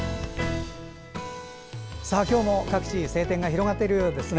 今日も各地晴天が広がっているようですね。